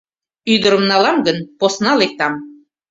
— Ӱдырым налам гын, посна лектам.